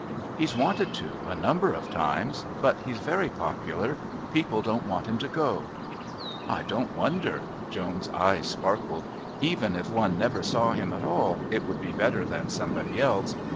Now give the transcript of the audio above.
"He's wanted to, a number of times. But he's very popular. People don't want him to go." "I don't wonder." Joan's eyes sparkled. "Even if one never saw him at all it would be better than somebody else.